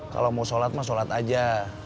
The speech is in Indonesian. kalau mau solat mah solat aja